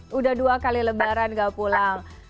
sudah dua kali lebaran gak pulang